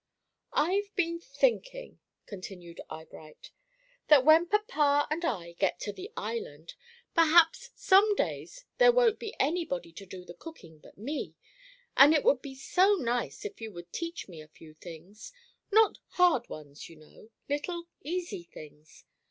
"I've been thinking," continued Eyebright, "that when papa and I get to the Island, perhaps some days there won't be anybody to do the cooking but me, and it would be so nice if you would teach me a few things, not hard ones, you know, little easy things.